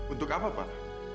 untuk apa pak